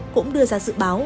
cũng đưa ra sự báo